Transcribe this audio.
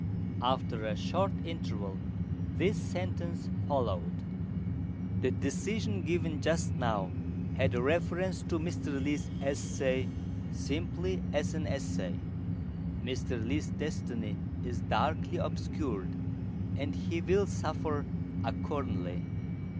After a short interval this sentence followed: "The decision given just now had reference to Mr. Li's essay simply as an essay. Mr. Li's destiny is darkly obscured, and he will suffer accordingly.